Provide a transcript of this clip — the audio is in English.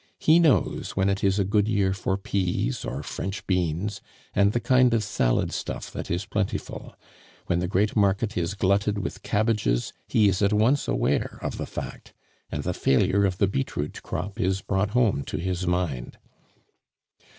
He knows when it is a good year for peas or French beans, and the kind of salad stuff that is plentiful; when the Great Market is glutted with cabbages, he is at once aware of the fact, and the failure of the beetroot crop is brought home to his mind.